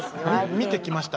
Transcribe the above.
見てきました。